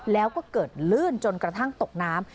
แล้วก็เกิดลื่นจนกระทั่งตกน้ำ